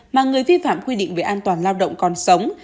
mà người vi phạm quy định về an toàn lao động còn sống